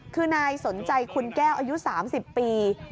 คือนายสนใจคุณแก้วอายุ๓๐ปี